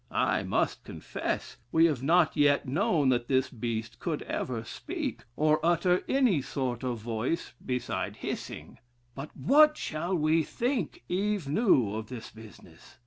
I must confess, we have not yet known that this beast could ever speak, or utter any sort of voice, beside hissing. But what shall we think Eve knew of this business?